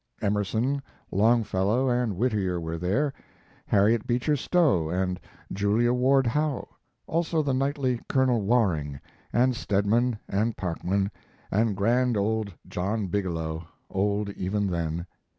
Emerson, Longfellow, and Whittier were there, Harriet Beecher Stowe and Julia Ward Howe; also the knightly Colonel Waring, and Stedman, and Parkman, and grand old John Bigelow, old even then.